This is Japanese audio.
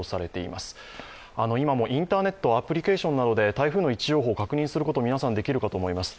今もインターネット、アプリケーションなどで台風の位置情報を確認することができると思います。